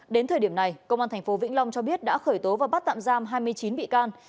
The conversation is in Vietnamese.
đến thời điểm này công an tp vĩnh long cho biết đã khởi tố và bắt tạm giam hai mươi chín bị can